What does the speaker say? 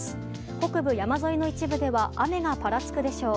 北部山沿いの一部では雨がぱらつくでしょう。